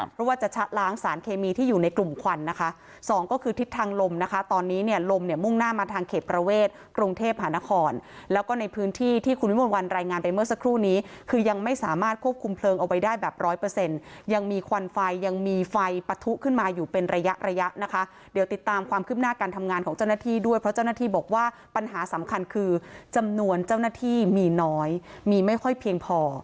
เพราะว่าจะชะล้างสารเคมีที่อยู่ในกลุ่มขวัญนะคะ๒ก็คือทิศทางลมนะคะตอนนี้เนี่ยลมเนี่ยมุ่งหน้ามาทางเขตประเวทกรงเทพอาณาคอนแล้วก็ในพื้นที่ที่คุณมิดวรรณรายงานไปเมื่อสักครู่นี้คือยังไม่สามารถควบคุมเพลิงเอาไว้ได้แบบร้อยเปอร์เซ็นต์ยังมีควัญไฟยังมีไฟปะถุขึ้นมาอยู่เป็นระยะนะคะเดี๋ย